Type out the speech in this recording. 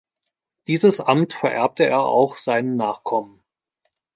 Dieses Amt vererbte er auch seinen Nachkommen.